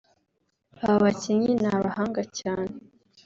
aba bakinnyi ni abahanga cyane